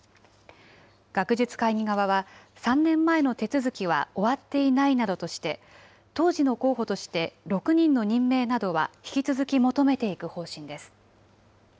学術会議側は３年前の手続きは終わっていないなどとして、当時の候補として６人の任命などは引き続き求めていく方針です。